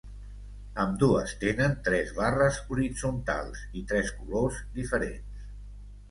Ambdues tenen tres barres horitzontals i tres colors diferents.